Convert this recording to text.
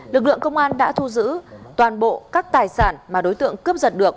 lực lượng công an đã thu giữ toàn bộ các tài sản mà đối tượng cướp giật được